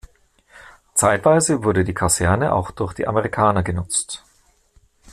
Zeitweise wurde die Kaserne auch durch die Amerikaner genutzt.